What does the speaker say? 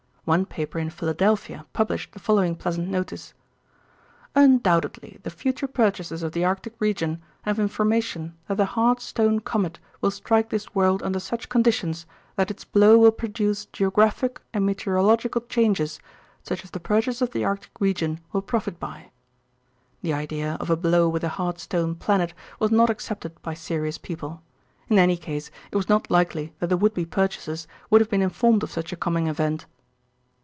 One paper in Philadelphia published the following pleasant notice: "Undoubtedly the future purchasers of the Arctic region have information that a hard stone comet will strike this world under such conditions that its blow will produce geographic and meteorologic changes such as the purchasers of the Arctic region will profit by." The idea of a blow with a hard stone planet was not accepted by serious people. In any case it was not likely that the would be purchasers would have been informed of such a coming event.